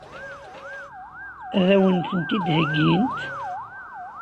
Ad wen-tent-id-heggint?